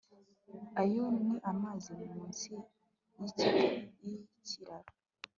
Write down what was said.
ayo ni amazi munsi yikiraro